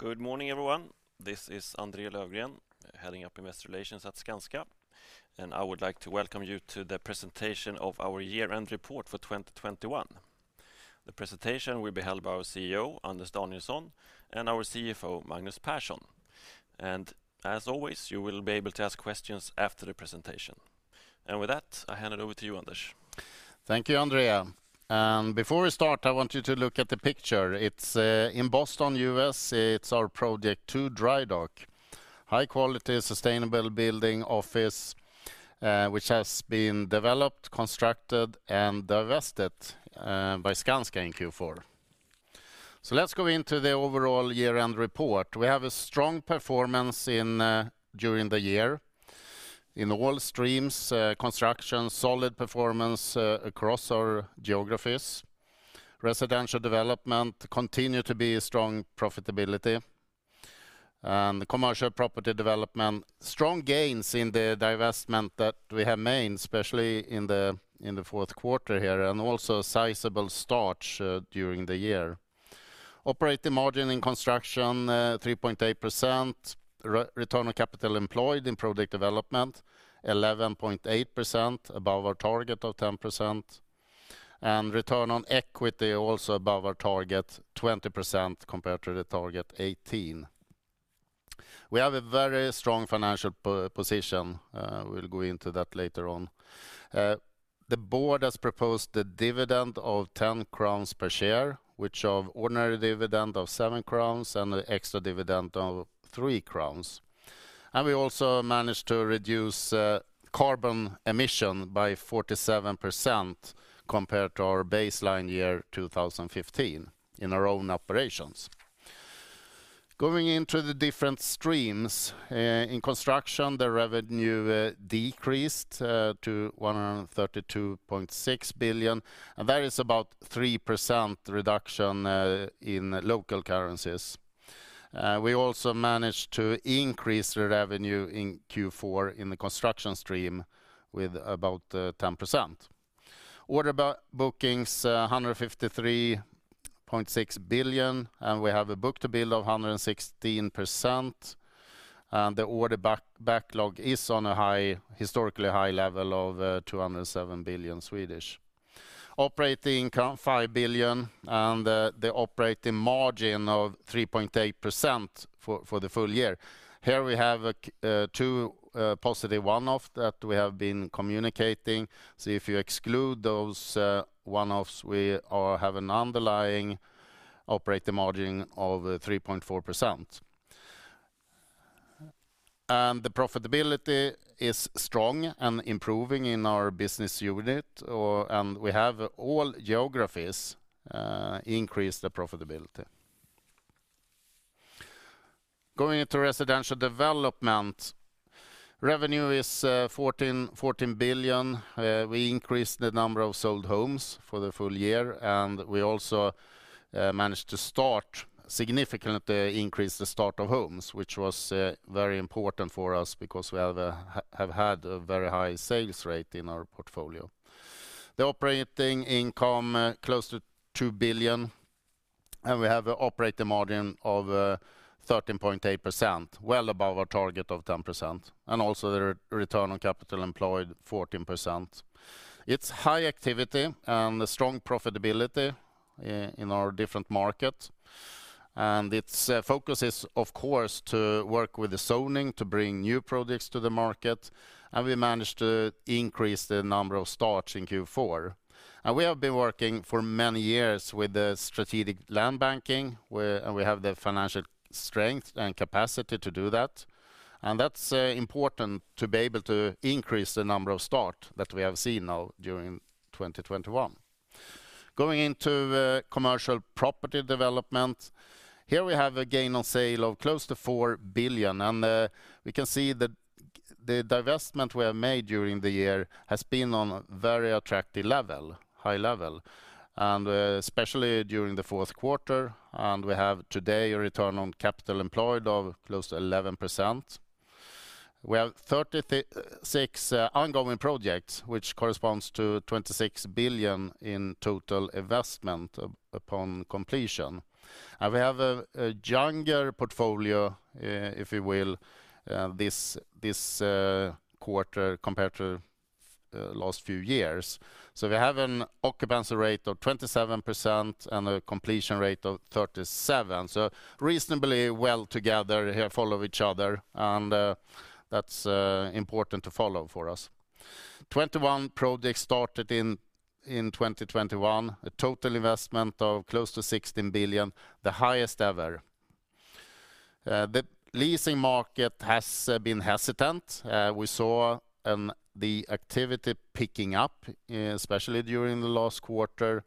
Good morning, everyone. This is André Löfgren, heading up Investor Relations at Skanska. I would like to welcome you to the presentation of our year-end report for 2021. The presentation will be held by our CEO, Anders Danielsson, and our CFO, Magnus Persson. As always, you will be able to ask questions after the presentation. With that, I hand it over to you, Anders. Thank you, André. Before we start, I want you to look at the picture. It's in Boston, U.S., it's our project Two Dry Dock. High-quality, sustainable office building, which has been developed, constructed, and divested by Skanska in Q4. Let's go into the overall year-end report. We have a strong performance in during the year. In all streams, construction, solid performance across our geographies. Residential Development continue to be a strong profitability. The Commercial Property Development, strong gains in the divestment that we have made, especially in the fourth quarter here, and also a sizable start during the year. Operating margin in Construction, 3.8%. Return on capital employed in project development, 11.8%, above our target of 10%. Return on equity also above our target, 20% compared to the target 18%. We have a very strong financial position. We'll go into that later on. The board has proposed a dividend of 10 crowns per share, which is an ordinary dividend of 7 crowns and an extra dividend of 3 crowns. We also managed to reduce carbon emission by 47% compared to our baseline year 2015 in our own operations. Going into the different streams. In Construction, the revenue decreased to 132.6 billion, and that is about 3% reduction in local currencies. We also managed to increase the revenue in Q4 in the Construction stream with about 10%. Order bookings 153.6 billion, and we have a book-to-bill of 116%. The order backlog is on a historically high level of 207 billion. Operating income 5 billion, and the operating margin of 3.8% for the full year. Here we have two positive one-offs that we have been communicating. If you exclude those one-offs, we have an underlying operating margin of 3.4%. The profitability is strong and improving in our business unit. We have all geographies increasing the profitability. Going into Residential Development. Revenue is 14 billion. We increased the number of sold homes for the full year, and we also managed to significantly increase the start of homes, which was very important for us because we have had a very high sales rate in our portfolio. The operating income close to 2 billion, and we have a operating margin of 13.8%, well above our target of 10%. Also the return on capital employed 14%. It's high activity and a strong profitability in our different markets. Its focus is, of course, to work with the zoning to bring new projects to the market. We managed to increase the number of starts in Q4. We have been working for many years with the strategic land banking, where and we have the financial strength and capacity to do that. That's important to be able to increase the number of starts that we have seen now during 2021. Going into Commercial Property Development. Here we have a gain on sale of close to 4 billion. We can see the divestment we have made during the year has been on a very attractive level, high level, and especially during the fourth quarter. We have today a return on capital employed of close to 11%. We have 36 ongoing projects, which corresponds to 26 billion in total investment upon completion. We have a younger portfolio, if you will, this quarter compared to last few years. We have an occupancy rate of 27% and a completion rate of 37%. Reasonably well together here, follow each other, and that's important to follow for us. 21 projects started in 2021. A total investment of close to 16 billion, the highest ever. The leasing market has been hesitant. We saw the activity picking up, especially during the last quarter.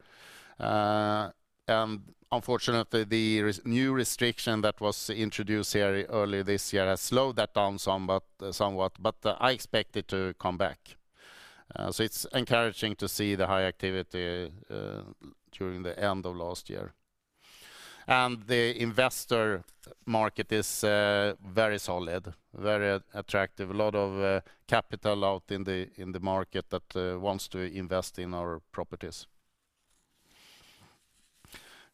Unfortunately, the new restriction that was introduced here early this year has slowed that down somewhat, but I expect it to come back. It's encouraging to see the high activity during the end of last year. The investor market is very solid, very attractive. A lot of capital out in the market that wants to invest in our properties.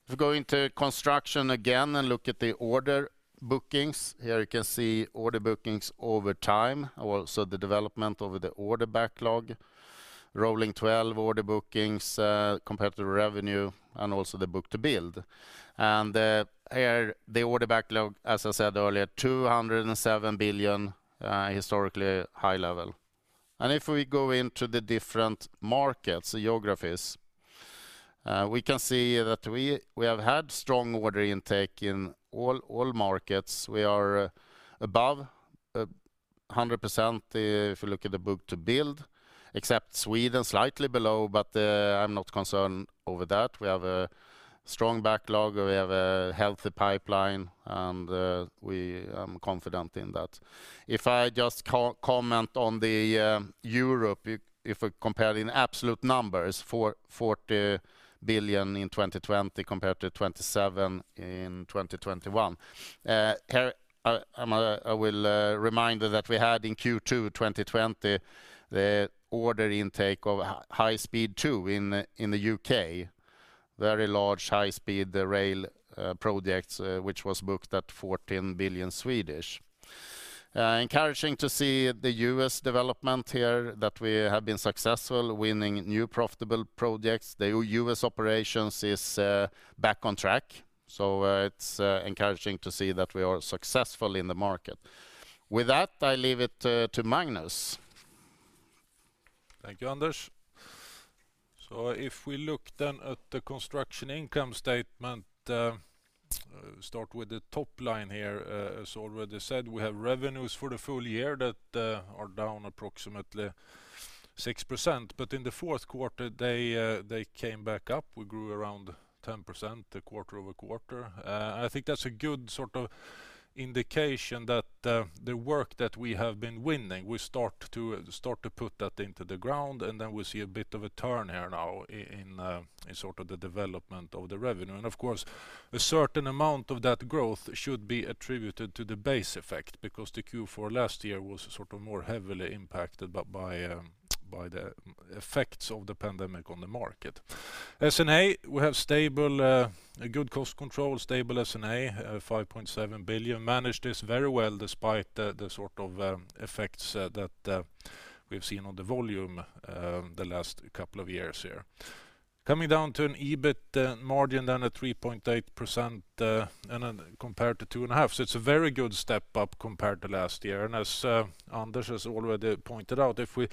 If we go into construction again and look at the order bookings, here you can see order bookings over time, also the development of the order backlog, rolling twelve order bookings compared to revenue, and also the book-to-bill. Here the order backlog, as I said earlier, 207 billion, historically high level. If we go into the different markets, the geographies, we can see that we have had strong order intake in all markets. We are above 100% if you look at the book-to-bill, except Sweden, slightly below, but I'm not concerned over that. We have a strong backlog, we have a healthy pipeline, and we are confident in that. If I just comment on the Europe, if we compare in absolute numbers, 40 billion in 2020 compared to 27 billion in 2021. I will remind that we had in Q2 2020 the order intake of High Speed 2 in the U.K. Very large high-speed rail projects, which was booked at 14 billion. Encouraging to see the U.S. development here, that we have been successful winning new profitable projects. The U.S. operations is back on track. It's encouraging to see that we are successful in the market. With that, I leave it to Magnus. Thank you, Anders. If we look then at the Construction income statement, start with the top line here. As already said, we have revenues for the full year that are down approximately 6%. In the fourth quarter, they came back up. We grew around 10% quarter-over-quarter. I think that's a good sort of indication that the work that we have been winning, we start to put that into the ground, and then we see a bit of a turn here now in sort of the development of the revenue. Of course, a certain amount of that growth should be attributed to the base effect because the Q4 last year was sort of more heavily impacted by the effects of the pandemic on the market. S&A, we have stable, a good cost control, stable S&A, 5.7 billion. Managed this very well despite the sort of effects that we've seen on the volume, the last couple of years here. Coming down to an EBIT margin down at 3.8%, and then compared to 2.5%. It's a very good step-up compared to last year. As Anders has already pointed out, if we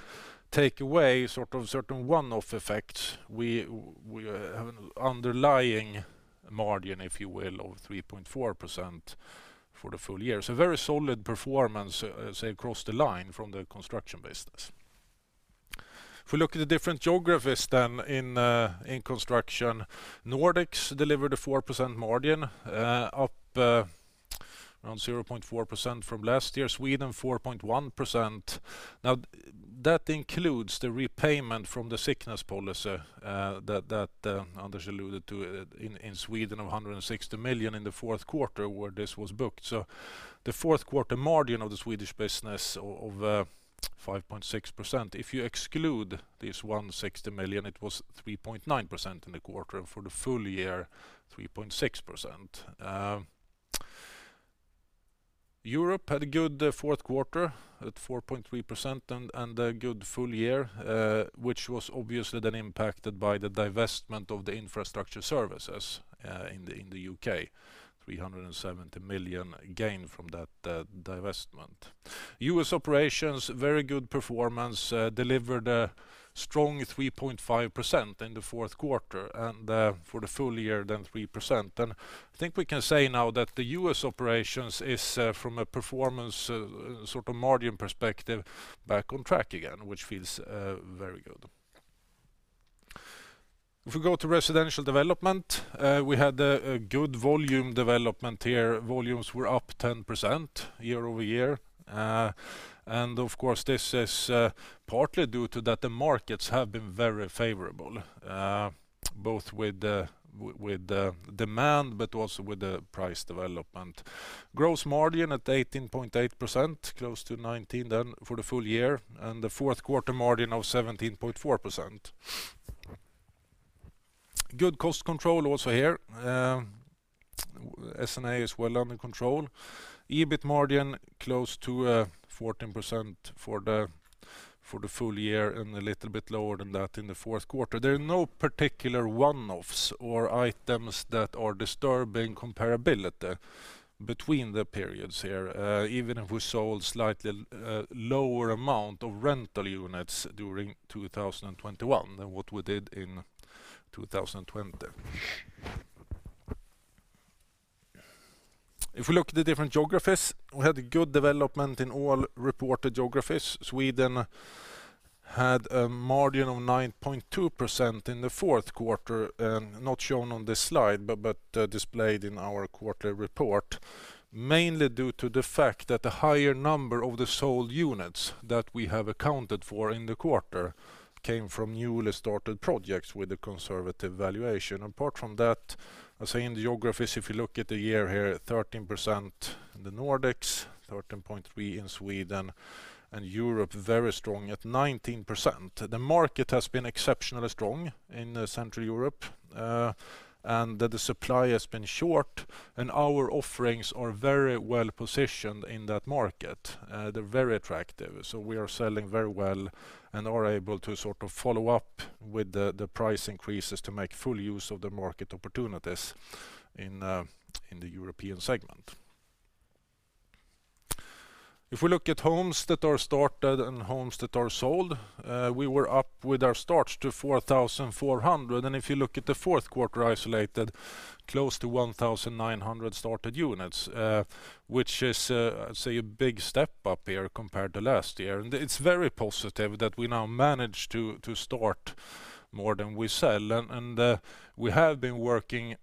take away sort of certain one-off effects, we have an underlying margin, if you will, of 3.4% for the full year. Very solid performance, say, across the line from the Construction business. If we look at the different geographies then in construction, Nordics delivered a 4% margin, up around 0.4% from last year. Sweden, 4.1%. Now, that includes the repayment from the sickness policy, that Anders alluded to in Sweden of 160 million in the fourth quarter where this was booked. The fourth quarter margin of the Swedish business of 5.6%, if you exclude this 160 million, it was 3.9% in the quarter. For the full year, 3.6%. Europe had a good fourth quarter at 4.3% and a good full year, which was obviously then impacted by the divestment of the infrastructure services in the U.K. 370 million gain from that divestment. U.S. operations, very good performance, delivered a strong 3.5% in the fourth quarter, and for the full year at 3%. I think we can say now that the U.S. operations is from a performance sort of margin perspective back on track again, which feels very good. If we go to Residential Development, we had a good volume development here. Volumes were up 10% year-over-year. Of course, this is partly due to that the markets have been very favorable both with the demand, but also with the price development. Gross margin at 18.8%, close to 19% then for the full year, and the fourth quarter margin of 17.4%. Good cost control also here. S&A is well under control. EBIT margin close to 14% for the full year, and a little bit lower than that in the fourth quarter. There are no particular one-offs or items that are disturbing comparability between the periods here, even if we sold slightly lower amount of rental units during 2021 than what we did in 2020. If we look at the different geographies, we had good development in all reported geographies. Sweden had a margin of 9.2% in the fourth quarter, not shown on this slide, but displayed in our quarterly report, mainly due to the fact that the higher number of the sold units that we have accounted for in the quarter came from newly started projects with a conservative valuation. Apart from that, I say in the geographies, if you look at the year here, 13% in the Nordics, 13.3% in Sweden, and Europe very strong at 19%. The market has been exceptionally strong in Central Europe, and the supply has been short, and our offerings are very well positioned in that market. They're very attractive, so we are selling very well and are able to sort of follow up with the price increases to make full use of the market opportunities in the European segment. If we look at homes that are started and homes that are sold, we were up with our starts to 4,400, and if you look at the fourth quarter isolated, close to 1,900 started units, which is, say a big step up here compared to last year. It's very positive that we now manage to start more than we sell. We have been working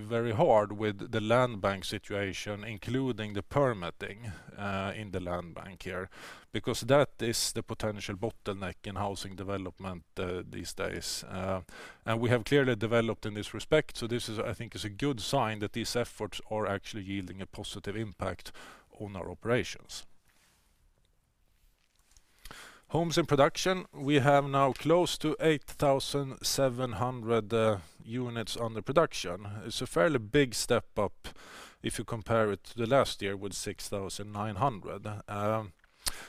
very hard with the land bank situation, including the permitting in the land bank here, because that is the potential bottleneck in housing development these days. We have clearly developed in this respect. This is, I think, a good sign that these efforts are actually yielding a positive impact on our operations. Homes in production, we have now close to 8,700 units under production. It's a fairly big step up if you compare it to the last year with 6,900.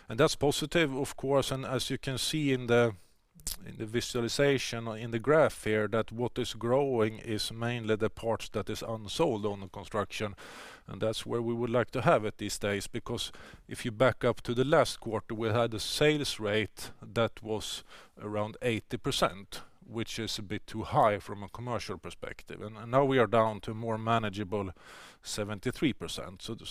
That's positive of course. As you can see in the visualization or in the graph here that what is growing is mainly the parts that is unsold on the construction. That's where we would like to have it these days, because if you back up to the last quarter, we had a sales rate that was around 80%, which is a bit too high from a commercial perspective. Now we are down to more manageable 73%.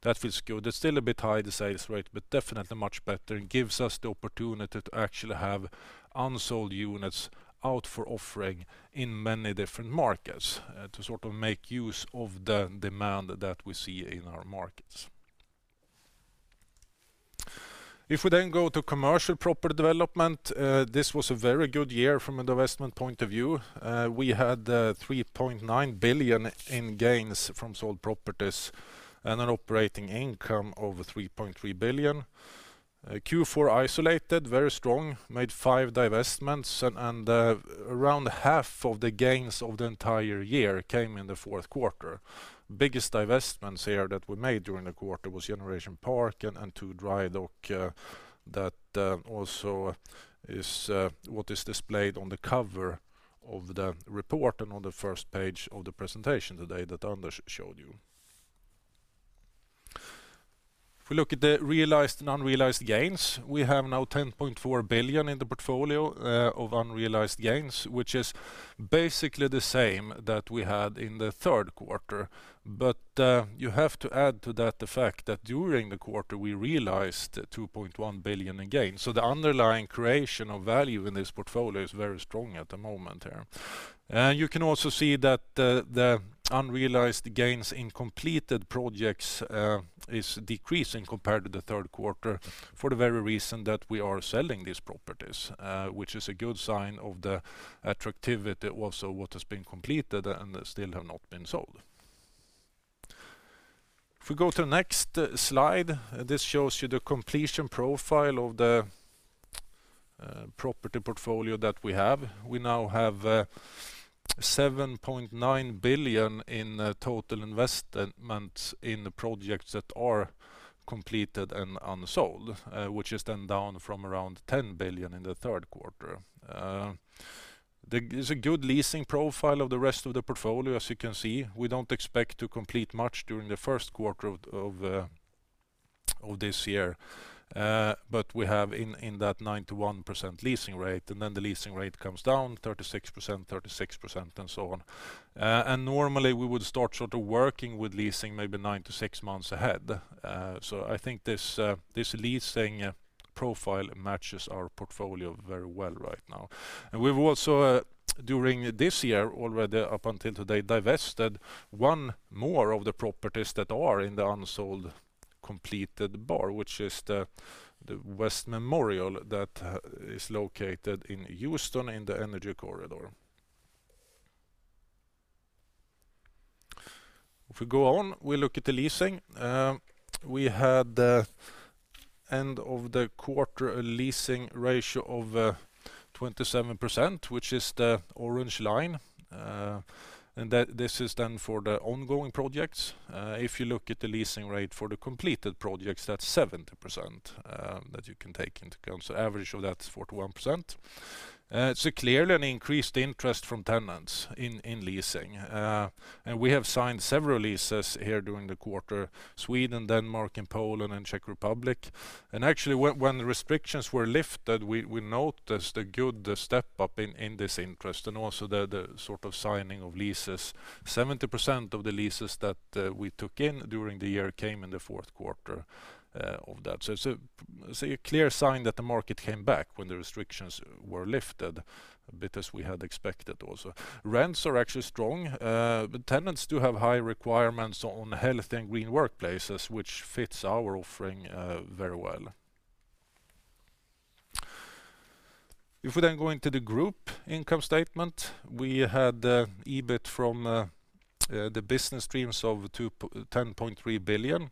That feels good. It's still a bit high, the sales rate, but definitely much better and gives us the opportunity to actually have unsold units out for offering in many different markets, to sort of make use of the demand that we see in our markets. If we go to Commercial Property Development, this was a very good year from an investment point of view. We had 3.9 billion in gains from sold properties and an operating income of 3.3 billion. Q4, isolated, very strong, made five divestments and around half of the gains of the entire year came in the fourth quarter. Biggest divestments here that we made during the quarter was Generation Park and Two Drydock that also is what is displayed on the cover of the report and on the first page of the presentation today that Anders showed you. If we look at the realized and unrealized gains, we have now 10.4 billion in the portfolio of unrealized gains, which is basically the same that we had in the third quarter. You have to add to that the fact that during the quarter, we realized 2.1 billion in gains. The underlying creation of value in this portfolio is very strong at the moment here. You can also see that the unrealized gains in completed projects is decreasing compared to the third quarter for the very reason that we are selling these properties, which is a good sign of the attractivity also what has been completed and still have not been sold. If we go to the next slide, this shows you the completion profile of the property portfolio that we have. We now have 7.9 billion in total investment in the projects that are completed and unsold, which is then down from around 10 billion in the third quarter. There's a good leasing profile of the rest of the portfolio, as you can see. We don't expect to complete much during the first quarter of this year. We have in that 91% leasing rate, and then the leasing rate comes down 36%, and so on. Normally, we would start sort of working with leasing maybe nine to six months ahead. I think this leasing profile matches our portfolio very well right now. We've also during this year already up until today divested 1 more of the properties that are in the unsold completed bar, which is the West Memorial that is located in Houston in the Energy Corridor. If we go on, we look at the leasing. We had the end of the quarter leasing ratio of 27%, which is the orange line. This is then for the ongoing projects. If you look at the leasing rate for the completed projects, that's 70%, that you can take into account. Average of that is 41%. Clearly an increased interest from tenants in leasing. We have signed several leases here during the quarter, Sweden, Denmark, and Poland, and Czech Republic. Actually, when the restrictions were lifted, we noticed a good step-up in this interest and also the sort of signing of leases. 70% of the leases that we took in during the year came in the fourth quarter of that. It's a clear sign that the market came back when the restrictions were lifted, a bit as we had expected also. Rents are actually strong, but tenants do have high requirements on health and green workplaces, which fits our offering, very well. If we then go into the group income statement, we had EBIT from the business streams of 10.3 billion,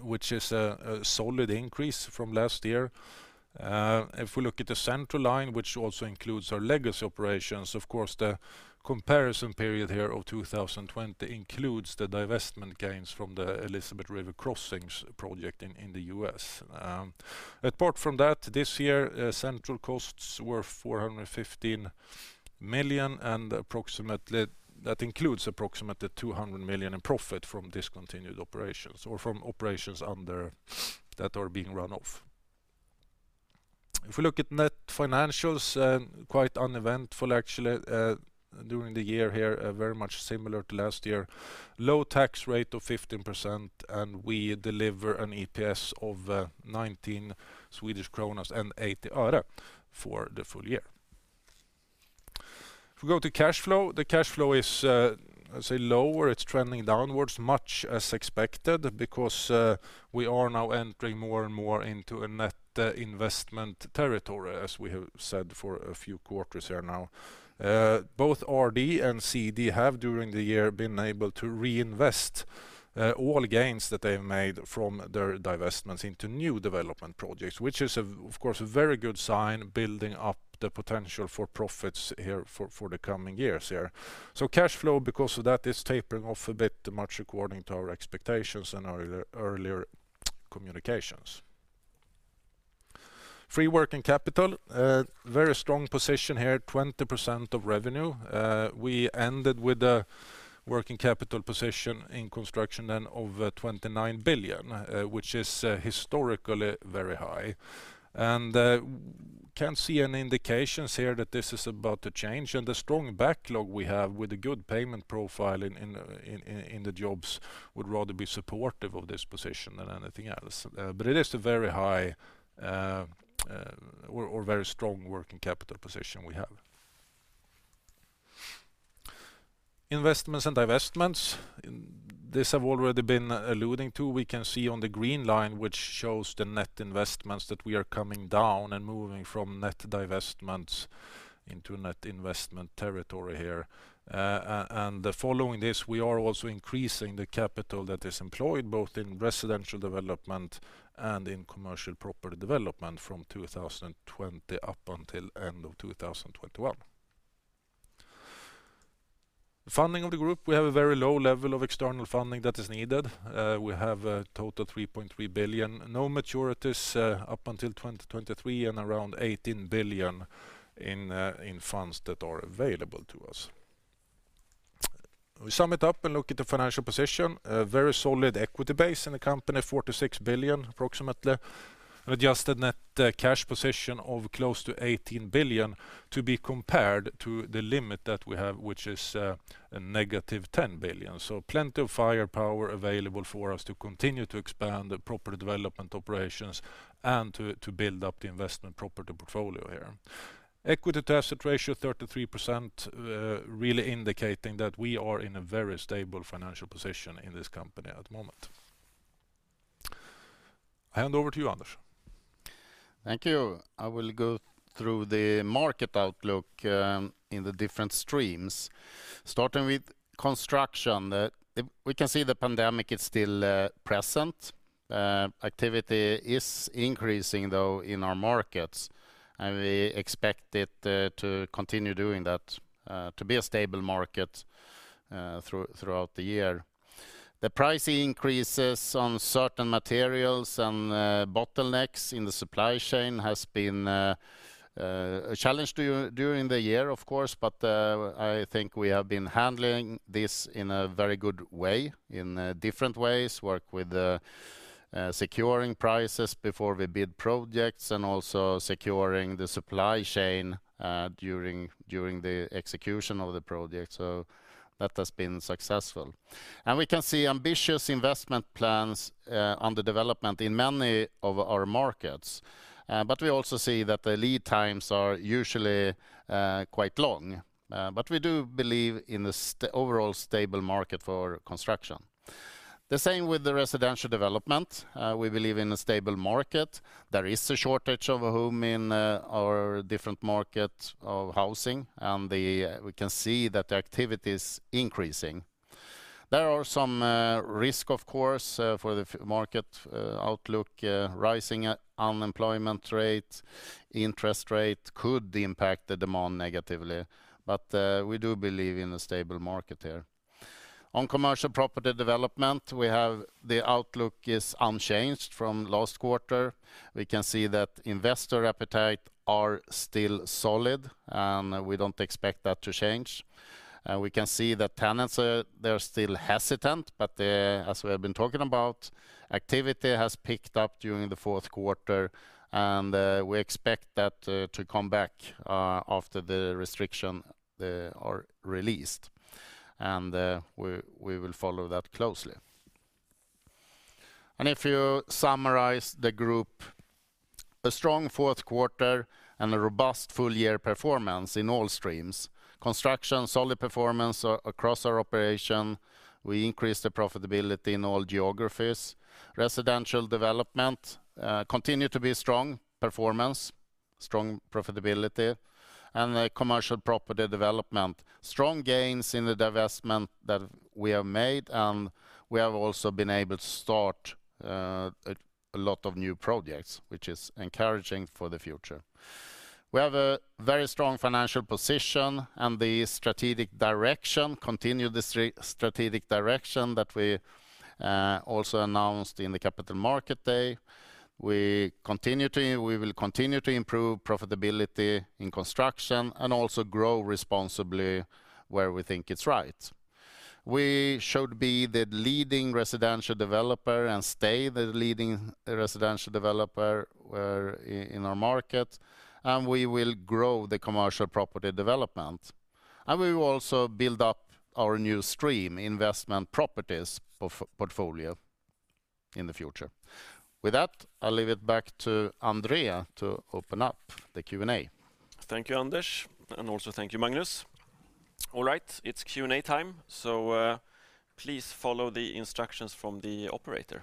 which is a solid increase from last year. If we look at the bottom line, which also includes our legacy operations, of course, the comparison period here of 2020 includes the divestment gains from the Elizabeth River Crossings project in the U.S. Apart from that, this year central costs were 415 million and approximately that includes approximately 200 million in profit from discontinued operations or from operations under that are being run off. If we look at net financials, quite uneventful actually, during the year here, very much similar to last year. Low tax rate of 15%, and we deliver an EPS of 19.80 Swedish kronor for the full year. If we go to cash flow, the cash flow is, let's say lower. It's trending downwards much as expected because we are now entering more and more into a net investment territory, as we have said for a few quarters here now. Both RD and CD have, during the year, been able to reinvest all gains that they made from their divestments into new development projects, which is, of course, a very good sign building up the potential for profits here for the coming years. Cash flow, because of that, is tapering off a bit much according to our expectations and our earlier communications. Free working capital very strong position here, 20% of revenue. We ended with a working capital position in Construction and over 29 billion, which is historically very high. Can't see any indications here that this is about to change. The strong backlog we have with a good payment profile in the jobs would rather be supportive of this position than anything else. It is a very high or very strong working capital position we have. Investments and divestments, in this I've already been alluding to. We can see on the green line, which shows the net investments that we are coming down and moving from net divestments into net investment territory here. Following this, we are also increasing the capital that is employed both in Residential Development and in Commercial Property Development from 2020 up until end of 2021. Funding of the group, we have a very low level of external funding that is needed. We have a total 3.3 billion, no maturities up until 2023 and around 18 billion in funds that are available to us. We sum it up and look at the financial position, a very solid equity base in the company, 46 billion approximately. Adjusted net cash position of close to 18 billion to be compared to the limit that we have, which is a negative 10 billion. Plenty of firepower available for us to continue to expand the property development operations and to build up the investment property portfolio here. Equity to asset ratio 33%, really indicating that we are in a very stable financial position in this company at the moment. I hand over to you, Anders. Thank you. I will go through the market outlook in the different streams. Starting with construction. We can see the pandemic is still present. Activity is increasing though in our markets, and we expect it to continue doing that to be a stable market throughout the year. The price increases on certain materials and bottlenecks in the supply chain has been a challenge during the year, of course, but I think we have been handling this in a very good way, in different ways, work with the securing prices before we bid projects and also securing the supply chain during the execution of the project. So that has been successful. We can see ambitious investment plans under development in many of our markets. We also see that the lead times are usually quite long. We do believe in the overall stable market for Construction. The same with the Residential Development. We believe in a stable market. There is a shortage of a home in our different market of housing, and we can see that the activity is increasing. There are some risk, of course, for the market outlook, rising unemployment rate, interest rate could impact the demand negatively. We do believe in a stable market here. On Commercial Property Development, we have the outlook is unchanged from last quarter. We can see that investor appetite are still solid, and we don't expect that to change. We can see that tenants are, they're still hesitant, but as we have been talking about, activity has picked up during the fourth quarter, and we expect that to come back after the restrictions are released. We will follow that closely. If you summarize the group, a strong fourth quarter and a robust full year performance in all streams. Construction, solid performance across our operations. We increased the profitability in all geographies. Residential Development continues to be strong performance, strong profitability. Commercial Property Development, strong gains in the divestments that we have made, and we have also been able to start a lot of new projects, which is encouraging for the future. We have a very strong financial position and the strategic direction continues the strategic direction that we also announced in the Capital Markets Day. We will continue to improve profitability in Construction and also grow responsibly where we think it's right. We should be the leading residential developer and stay the leading residential developer in our market, and we will grow the Commercial Property Development. We will also build up our new stream Investment Properties portfolio in the future. With that, I'll leave it back to André to open up the Q&A. Thank you, Anders, and also thank you, Magnus. All right, it's Q&A time, so, please follow the instructions from the operator.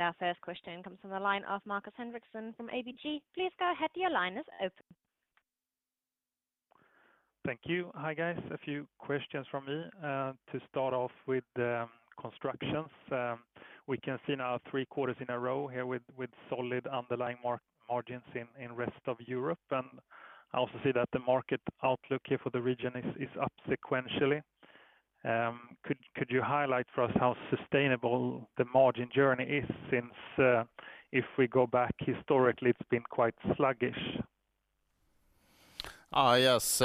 Our first question comes from the line of Markus Henriksson from ABG. Please go ahead. Your line is open. Thank you. Hi, guys. A few questions from me. To start off with, Construction. We can see now three quarters in a row here with solid underlying margins in Rest of Europe. I also see that the Market Outlook here for the region is up sequentially. Could you highlight for us how sustainable the margin journey is since, if we go back historically, it's been quite sluggish? Yes.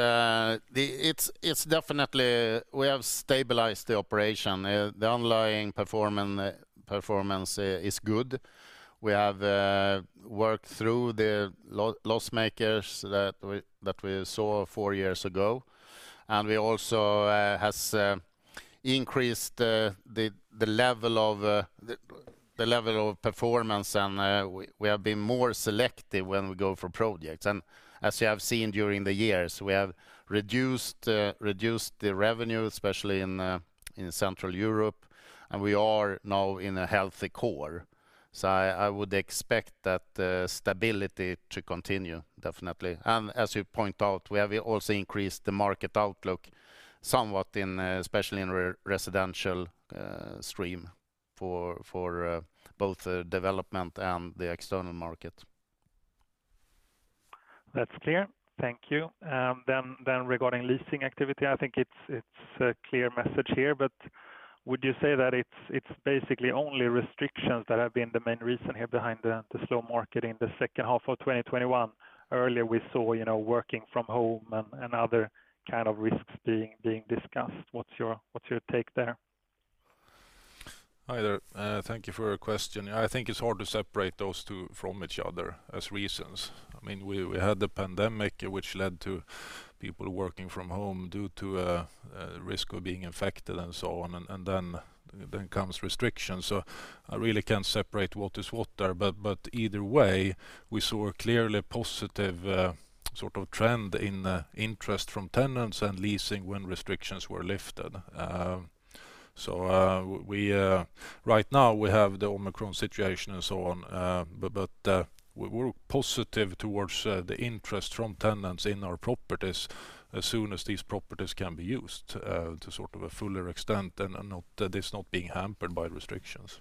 It's definitely we have stabilized the operation. The underlying performance is good. We have worked through the loss makers that we saw four years ago, and we also has increased the level of performance and we have been more selective when we go for projects. As you have seen during the years, we have reduced the revenue, especially in Central Europe, and we are now in a healthy core. I would expect that stability to continue, definitely. As you point out, we have also increased the market outlook somewhat, especially in residential stream for both the development and the external market. That's clear. Thank you. Regarding leasing activity, I think it's a clear message here, but would you say that it's basically only restrictions that have been the main reason here behind the slow market in the second half of 2021? Earlier we saw, you know, working from home and other kind of risks being discussed. What's your take there? Hi there. Thank you for your question. I think it's hard to separate those two from each other as reasons. I mean, we had the pandemic, which led to people working from home due to risk of being infected and so on. Then comes restrictions. I really can't separate what is what there. But either way, we saw a clearly positive sort of trend in interest from tenants and leasing when restrictions were lifted. Right now we have the Omicron situation and so on, but we're positive towards the interest from tenants in our properties as soon as these properties can be used to sort of a fuller extent and not that it's being hampered by restrictions.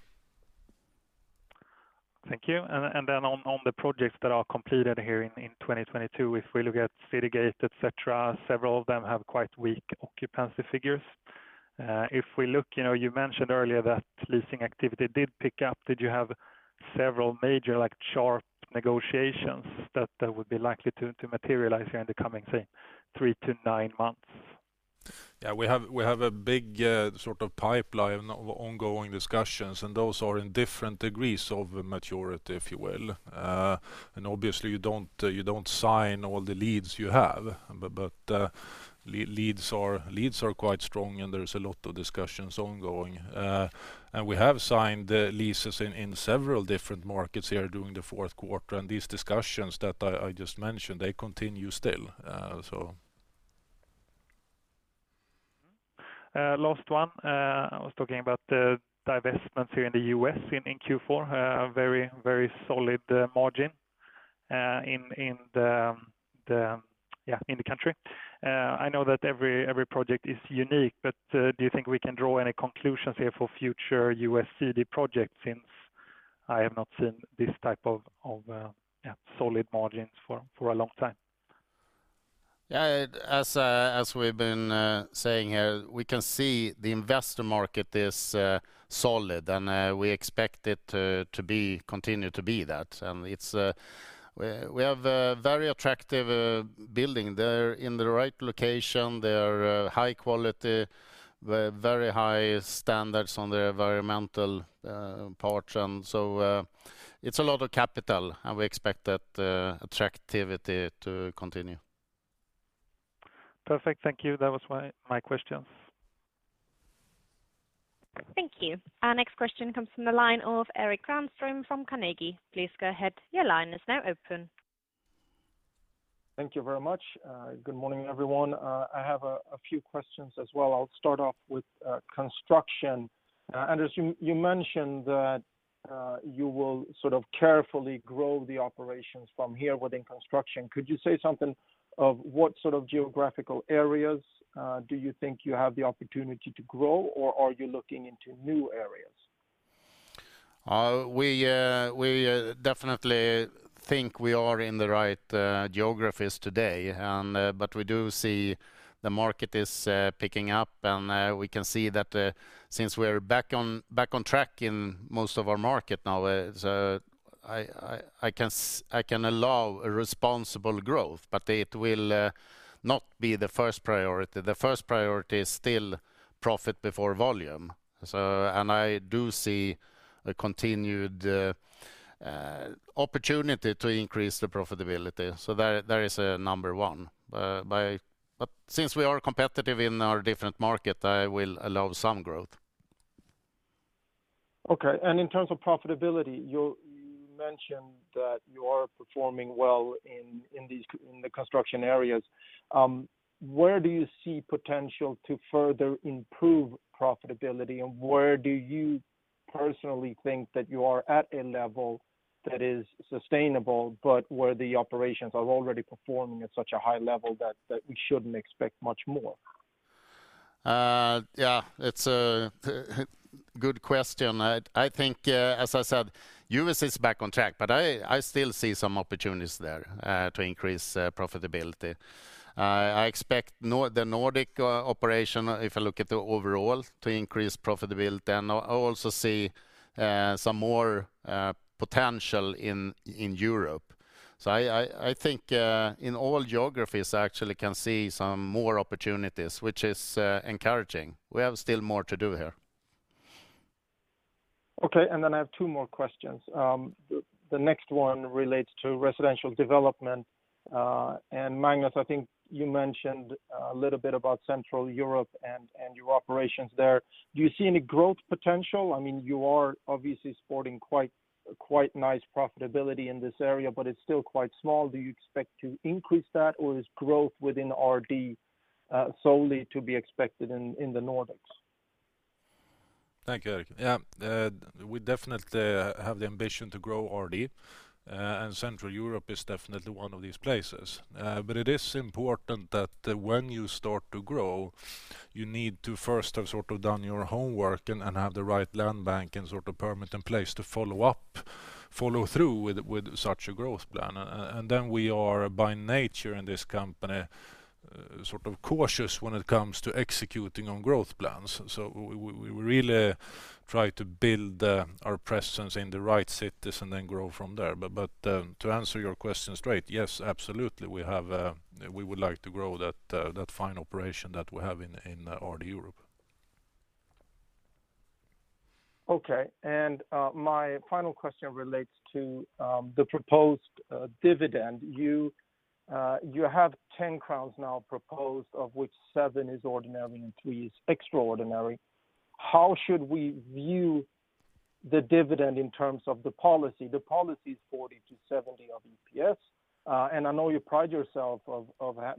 Thank you. Then on the projects that are completed here in 2022, if we look at Citygate, et cetera, several of them have quite weak occupancy figures. If we look, you know, you mentioned earlier that leasing activity did pick up. Did you have several major like chart negotiations that would be likely to materialize here in the coming, say, three to nine months? Yeah. We have a big sort of pipeline of ongoing discussions, and those are in different degrees of maturity, if you will. Obviously you don't sign all the leads you have. Leads are quite strong and there's a lot of discussions ongoing. We have signed leases in several different markets here during the fourth quarter. These discussions that I just mentioned, they continue still. Last one. I was talking about the divestments here in the U.S. in Q4. Very solid margin in the country. I know that every project is unique, but do you think we can draw any conclusions here for future U.S. CD projects since I have not seen this type of solid margins for a long time? Yeah. As we've been saying here, we can see the investor market is solid, and we expect it to continue to be that. It's. We have a very attractive building. They're in the right location. They are high quality. Very high standards on the environmental part. It's a lot of capital, and we expect that attractivity to continue. Perfect. Thank you. That was my questions. Thank you. Our next question comes from the line of Erik Granström from Carnegie. Please go ahead. Your line is now open. Thank you very much. Good morning, everyone. I have a few questions as well. I'll start off with Construction. Anders, you mentioned that you will sort of carefully grow the operations from here within Construction. Could you say something of what sort of geographical areas do you think you have the opportunity to grow, or are you looking into new areas? We definitely think we are in the right geographies today. We do see the market is picking up, and we can see that since we're back on track in most of our markets now. I can allow a responsible growth, but it will not be the first priority. The first priority is still profit before volume. I do see a continued opportunity to increase the profitability. That is number one. Since we are competitive in our different markets, I will allow some growth. Okay. In terms of profitability, you mentioned that you are performing well in these construction areas. Where do you see potential to further improve profitability? Where do you personally think that you are at a level that is sustainable, but where the operations are already performing at such a high level that we shouldn't expect much more? Yeah. It's a good question. I think, as I said, U.S. is back on track, but I still see some opportunities there to increase profitability. I expect the Nordic operation, if I look at the overall, to increase profitability, and I also see some more potential in Europe. I think in all geographies, I actually can see some more opportunities, which is encouraging. We have still more to do here. Okay, I have two more questions. The next one relates to Residential Development. Magnus, I think you mentioned a little bit about Central Europe and your operations there. Do you see any growth potential? I mean, you are obviously sporting quite nice profitability in this area, but it's still quite small. Do you expect to increase that, or is growth within RD solely to be expected in the Nordics? Thank you, Erik. Yeah. We definitely have the ambition to grow RD, and Central Europe is definitely one of these places. It is important that when you start to grow, you need to first have sort of done your homework and have the right land bank and sort of permit in place to follow up, follow through with such a growth plan. We are by nature in this company sort of cautious when it comes to executing on growth plans. We really try to build our presence in the right cities and then grow from there. To answer your question straight, yes, absolutely, we have, we would like to grow that fine operation that we have in RD Europe. Okay. My final question relates to the proposed dividend. You have 10 crowns now proposed, of which seven is ordinary and three is extraordinary. How should we view the dividend in terms of the policy? The policy is 40%-70% of EPS. I know you pride yourself on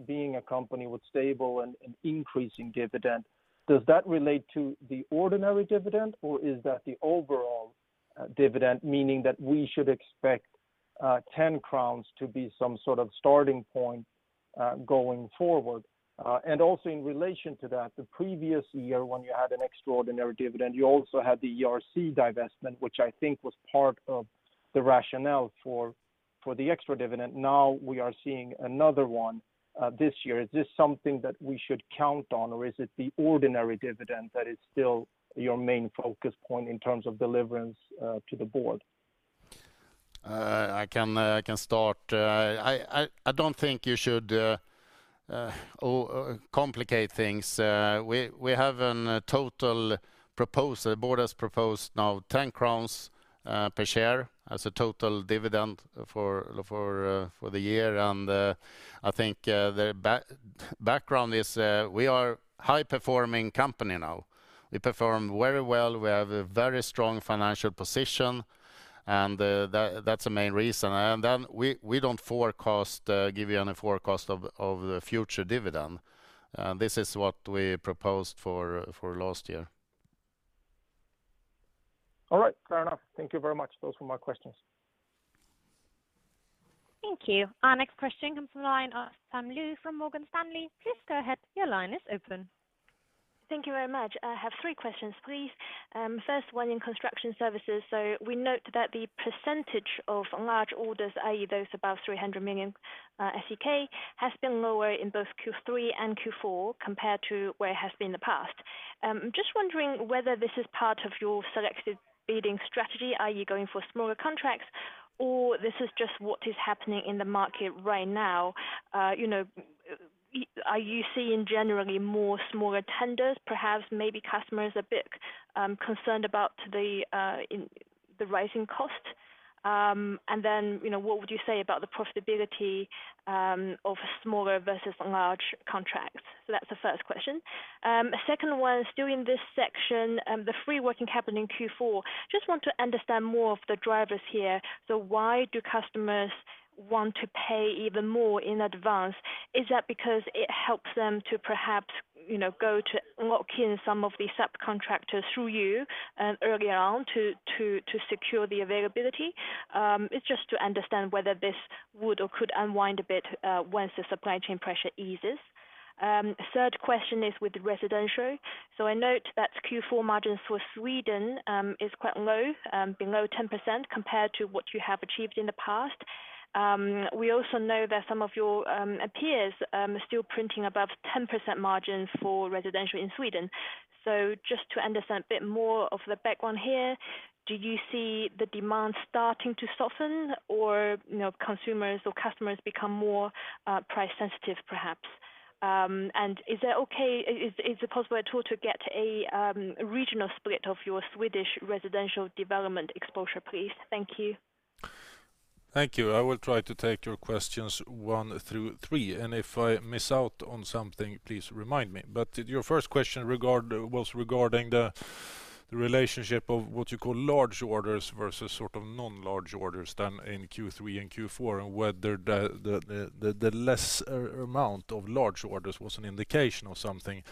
being a company with stable and increasing dividend. Does that relate to the ordinary dividend, or is that the overall dividend, meaning that we should expect 10 crowns to be some sort of starting point going forward? Also in relation to that, the previous year when you had an extraordinary dividend, you also had the ERC divestment, which I think was part of the rationale for the extra dividend. Now, we are seeing another one this year. Is this something that we should count on, or is it the ordinary dividend that is still your main focus point in terms of delivery to the board? I can start. I don't think you should complicate things. We have a total proposal. The board has proposed now 10 crowns per share as a total dividend for the year. I think the background is we are a high-performing company now. We perform very well. We have a very strong financial position, and that's the main reason. We don't give you any forecast of the future dividend. This is what we proposed for last year. All right. Fair enough. Thank you very much. Those were my questions. Thank you. Our next question comes from the line of Nicolas Mora from Morgan Stanley. Please go ahead. Your line is open. Thank you very much. I have three questions, please. First one in construction services. We note that the percentage of large orders, i.e., those above 300 million SEK, has been lower in both Q3 and Q4 compared to where it has been in the past. Just wondering whether this is part of your selective bidding strategy. Are you going for smaller contracts, or this is just what is happening in the market right now? You know, are you seeing generally more smaller tenders, perhaps maybe customers a bit concerned about the rising cost? You know, what would you say about the profitability of smaller versus large contracts? That's the first question. Second one, still in this section, the pre-working capital in Q4. I just want to understand more of the drivers here. Why do customers want to pay even more in advance? Is that because it helps them to perhaps, you know, go to lock in some of the subcontractors through you, early on to secure the availability? It's just to understand whether this would or could unwind a bit once the supply chain pressure eases. Third question is with residential. I note that Q4 margins for Sweden is quite low, below 10% compared to what you have achieved in the past. We also know that some of your peers are still printing above 10% margins for residential in Sweden. Just to understand a bit more of the background here, do you see the demand starting to soften? Or, you know, consumers or customers become more price sensitive, perhaps? And is that okay? Is it possible at all to get a regional split of your Swedish Residential Development exposure, please? Thank you. Thank you. I will try to take your questions one through three, and if I miss out on something, please remind me. Your first question was regarding the relationship of what you call large orders versus sort of non-large orders then in Q3 and Q4, and whether the less amount of large orders was an indication of something.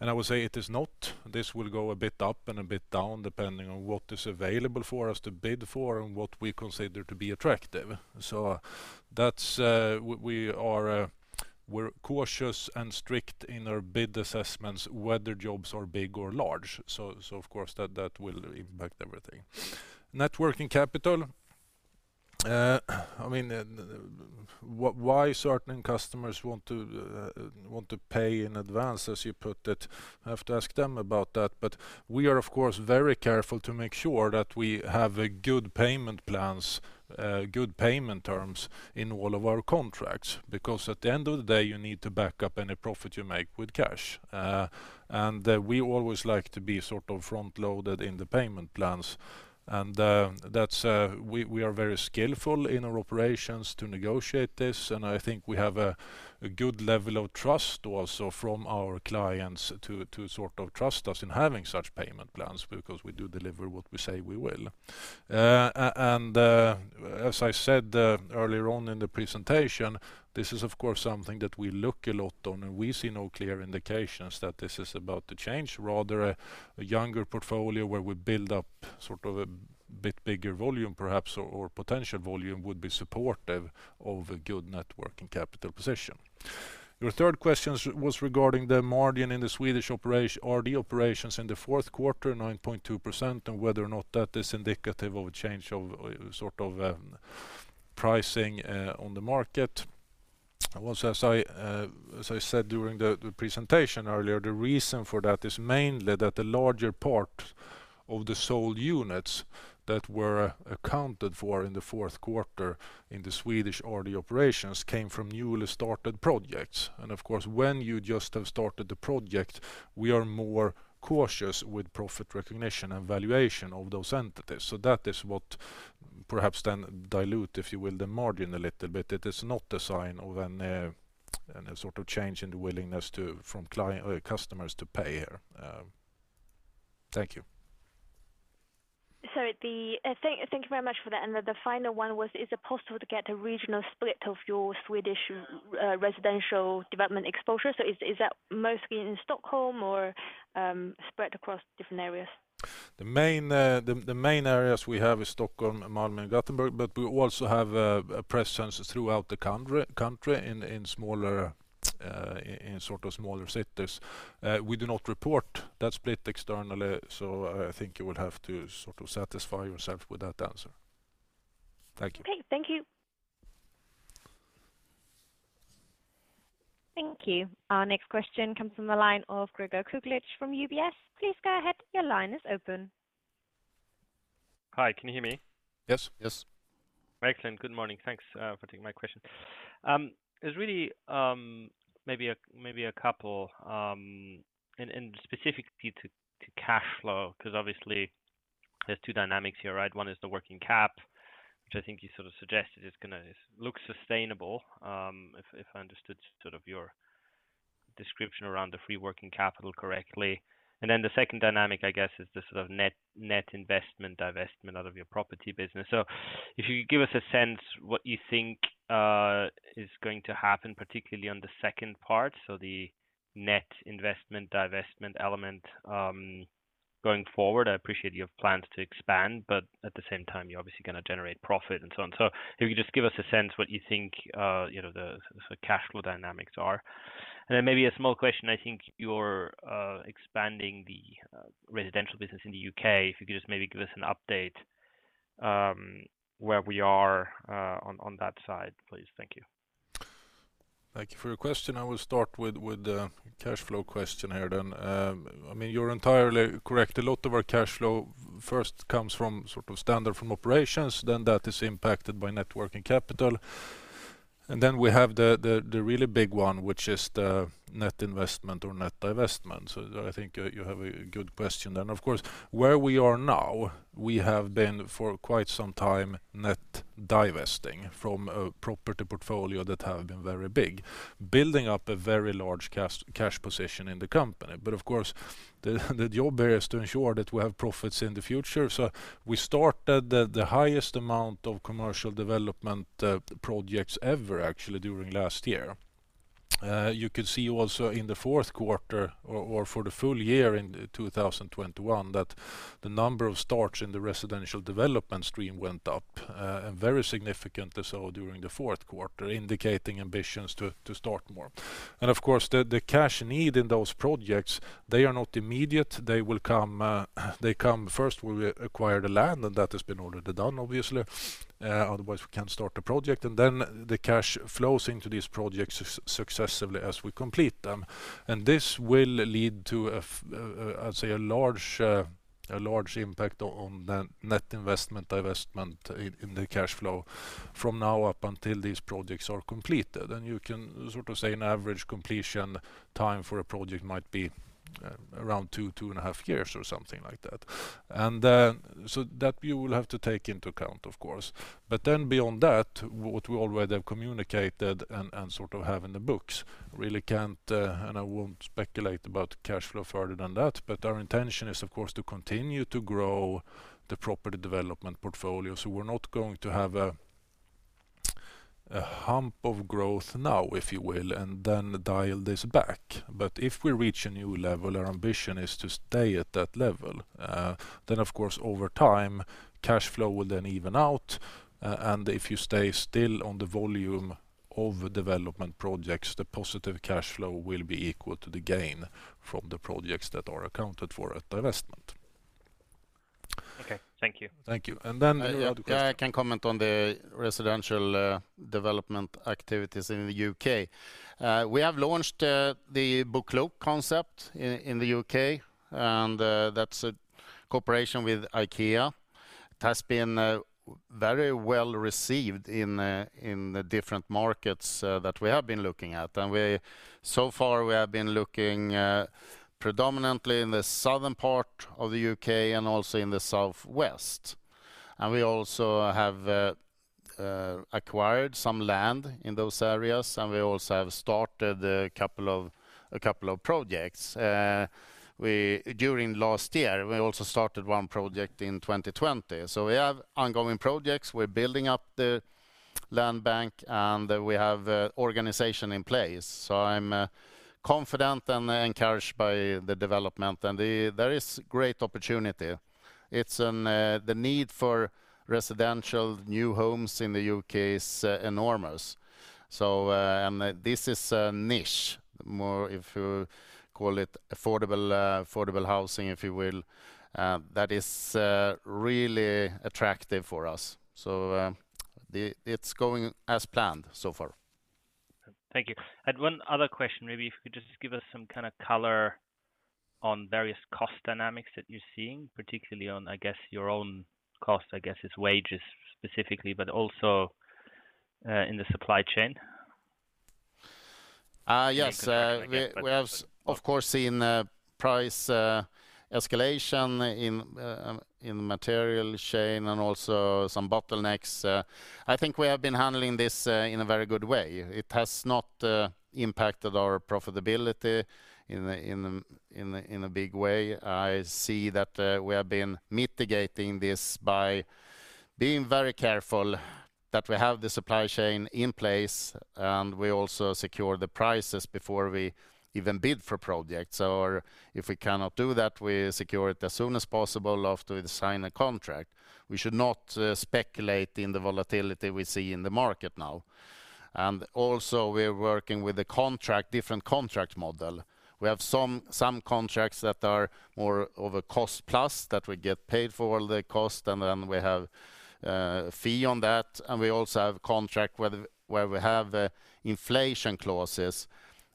I would say it is not. This will go a bit up and a bit down, depending on what is available for us to bid for and what we consider to be attractive. That's, we're cautious and strict in our bid assessments, whether jobs are big or large. Of course that will impact everything. Working capital, certain customers want to pay in advance, as you put it, you have to ask them about that. We are of course very careful to make sure that we have good payment terms in all of our contracts, because at the end of the day, you need to back up any profit you make with cash. We always like to be sort of front-loaded in the payment plans. We are very skillful in our operations to negotiate this, and I think we have a good level of trust also from our clients to sort of trust us in having such payment plans because we do deliver what we say we will. As I said earlier on in the presentation, this is of course something that we look a lot on, and we see no clear indications that this is about to change. Rather, a younger portfolio where we build up sort of a bit bigger volume perhaps, or potential volume, would be supportive of a good working capital position. Your third question was regarding the margin in the Swedish RD operations in the fourth quarter, 9.2%, and whether or not that is indicative of a change of sort of pricing on the market. Also as I said during the presentation earlier, the reason for that is mainly that the larger part of the sold units that were accounted for in the fourth quarter in the Swedish RD operations came from newly started projects. Of course, when you just have started the project, we are more cautious with profit recognition and valuation of those entities. That is what perhaps then dilute, if you will, the margin a little bit. It is not a sign of a sort of change in the willingness from customers to pay. Thank you. Thank you very much for that. The final one was, is it possible to get a regional split of your Swedish Residential Development exposure? Is that mostly in Stockholm or spread across different areas? The main areas we have is Stockholm, Malmö, and Gothenburg, but we also have a presence throughout the country in sort of smaller cities. We do not report that split externally, so I think you will have to sort of satisfy yourself with that answer. Thank you. Okay. Thank you. Thank you. Our next question comes from the line of Gregor Kuglitsch from UBS. Please go ahead. Your line is open. Hi. Can you hear me? Yes. Yes. Excellent. Good morning. Thanks for taking my question. There's really maybe a couple, and specifically to cash flow, because obviously there's two dynamics here, right? One is the working cap, which I think you sort of suggested is gonna look sustainable, if I understood sort of your description around the free working capital correctly. Then the second dynamic, I guess, is the sort of net investment, divestment out of your property business. If you could give us a sense what you think is going to happen, particularly on the second part, so the net investment, divestment element, going forward. I appreciate you have plans to expand, but at the same time, you're obviously going to generate profit and so on. If you could just give us a sense what you think, you know, the sort of cash flow dynamics are. Then maybe a small question, I think you're expanding the residential business in the U.K., if you could just maybe give us an update, where we are on that side, please. Thank you. Thank you for your question. I will start with the cash flow question here. I mean, you're entirely correct. A lot of our cash flow first comes from sort of standard from operations, then that is impacted by net working capital. Then we have the really big one, which is the net investment or net divestment. I think you have a good question. Of course, where we are now, we have been for quite some time, net divesting from a property portfolio that have been very big, building up a very large cash position in the company. Of course, the job here is to ensure that we have profits in the future. We started the highest amount of commercial development projects ever, actually, during last year. You could see also in the fourth quarter or for the full year in 2021, that the number of starts in the Residential Development stream went up, and very significantly so during the fourth quarter, indicating ambitions to start more. Of course, the cash need in those projects, they are not immediate. They will come, they come first when we acquire the land, and that has been already done, obviously. Otherwise we can't start the project. Then the cash flows into these projects successively as we complete them. This will lead to, I'd say a large impact on net investment divestment in the cash flow from now up until these projects are completed. You can sort of say an average completion time for a project might be around two and a half years or something like that. You will have to take that into account, of course. Then beyond that, what we already have communicated and sort of have in the books really can't, and I won't speculate about cash flow further than that. Our intention is of course to continue to grow the Property Development portfolio. We're not going to have a hump of growth now, if you will, and then dial this back. If we reach a new level, our ambition is to stay at that level. Of course, over time, cash flow will even out. If you stay still on the volume of development projects, the positive cash flow will be equal to the gain from the projects that are accounted for at divestment. Okay. Thank you. Thank you. You had a question. I can comment on the Residential Development activities in the U.K. We have launched the BoKlok concept in the U.K., and that's a cooperation with IKEA. It has been very well received in the different markets that we have been looking at. So far we have been looking predominantly in the southern part of the U.K. and also in the southwest. We also have acquired some land in those areas, and we also have started a couple of projects. During last year, we also started one project in 2020. We have ongoing projects. We're building up the land bank, and we have organization in place. I'm confident and encouraged by the development. There is great opportunity. The need for residential new homes in the U.K. is enormous. This is a niche more if you call it affordable housing, if you will. That is really attractive for us. It's going as planned so far. Thank you. I had one other question. Maybe if you could just give us some kind of color on various cost dynamics that you're seeing, particularly on, I guess, your own cost, I guess, is wages specifically, but also in the supply chain. Yes. Maybe you can start and again. We have of course seen price escalation in material chain and also some bottlenecks. I think we have been handling this in a very good way. It has not impacted our profitability in a big way. I see that we have been mitigating this by being very careful that we have the supply chain in place, and we also secure the prices before we even bid for projects. If we cannot do that, we secure it as soon as possible after we sign a contract. We should not speculate in the volatility we see in the market now. We're working with a different contract model. We have some contracts that are more of a cost plus that we get paid for all the cost, and then we have fee on that. We also have contract where we have inflation clauses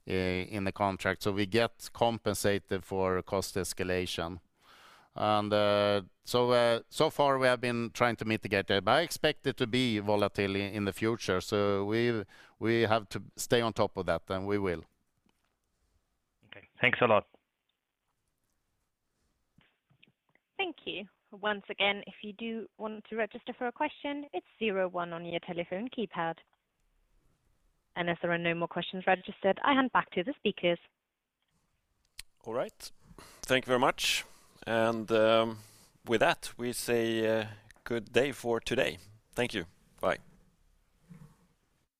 in the contract, so we get compensated for cost escalation. So far we have been trying to mitigate it. I expect it to be volatile in the future. We have to stay on top of that, and we will. Okay. Thanks a lot. Thank you. Once again, if you do want to register for a question, it's 01 on your telephone keypad. As there are no more questions registered, I hand back to the speakers. All right. Thank you very much. With that, we say good day for today. Thank you. Bye.